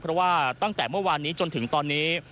เพราะว่าตั้งแต่เมื่อวานนี้จนถึงตอนนี้